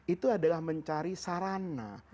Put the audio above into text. itu adalah mencari sarana